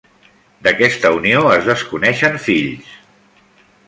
D'aquesta unió es desconeixen fills.